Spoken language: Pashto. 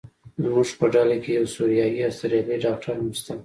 زموږ په ډله کې یو سوریایي استرالیایي ډاکټر هم شته.